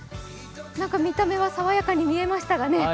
見た目は爽やかに見えましたがね。